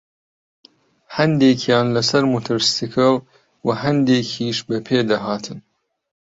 هەندێکیان لەسەر مۆتۆرسکیل و هەندێکیش بەپێ دەهاتن